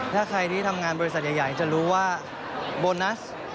ถ้าใครที่ทำงานบริษัทใหญ่จะรู้ว่าโบนัส